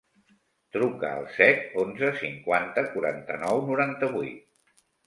Truca al set, onze, cinquanta, quaranta-nou, noranta-vuit.